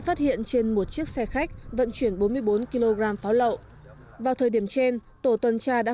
phát hiện trên một chiếc xe khách vận chuyển bốn mươi bốn kg pháo lậu vào thời điểm trên tổ tuần tra đã